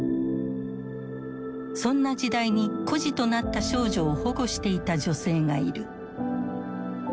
そんな時代に孤児となった少女を保護していた女性がいる。